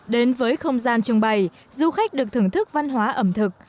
đến với không gian trưng bày du khách được thưởng thức văn hóa ẩm thực